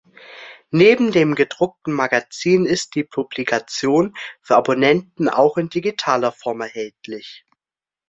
Neben dem gedruckten Magazin ist die Publikation für Abonnenten auch in digitaler Form erhältlich.